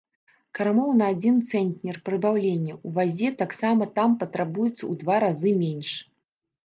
Кармоў на адзін цэнтнер прыбаўлення ў вазе таксама там патрабуецца ў два разы менш.